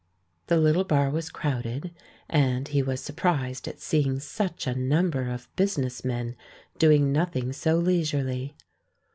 The little bar was crowded, and he was sur prised at seeing such a number of business men doing nothing so leisurely.